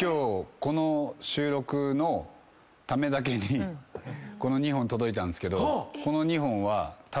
今日この収録のためだけにこの２本届いたんですけどこの２本はたぶん。